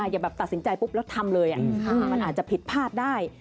อย่าแบบตัดสินใจปุ๊บแล้วทำเลยมันอาจจะผิดพลาดได้